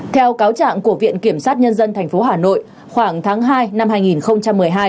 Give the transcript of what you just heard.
theo cáo trạng của viện kiểm sát nhân dân tp hà nội khoảng tháng hai năm hai nghìn một mươi hai